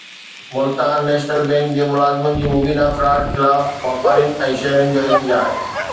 Multan national bank جي ملازمن جي مبينا فراڊ خلاف واپارين ۽ شهرين جو احتجاج